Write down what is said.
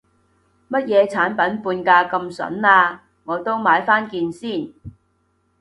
乜嘢產品半價咁筍啊，我都買返件先